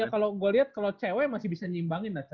iya kalau gua lihat kalau cewek masih bisa nyimbangin lah canda